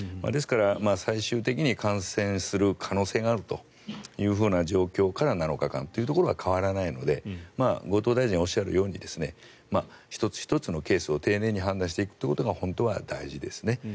ですから、最終的に感染する可能性があるという状況から７日間というところは変わらないので後藤大臣がおっしゃるように１つ１つのケースを丁寧に判断していくことが本当は大事ですね。